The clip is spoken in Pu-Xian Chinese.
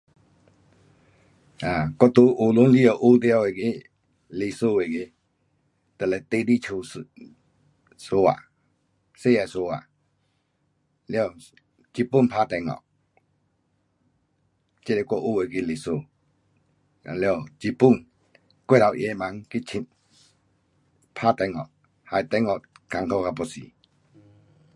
um 我在学堂里下学到那个，历史那个，就是第一次相打，世界相打，了日本打中国，这是我学那个历史。了日本过头野蛮去侵，打中国，害中国困苦到要死。